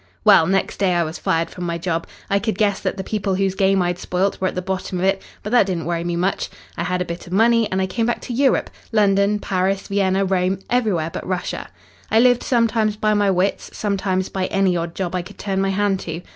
"Well, next day I was fired from my job. I could guess that the people whose game I'd spoilt were at the bottom of it, but that didn't worry me much. I had a bit of money and I came back to Europe London, Paris, Vienna, Rome everywhere but Russia. I lived sometimes by my wits, sometimes by any odd job I could turn my hand to.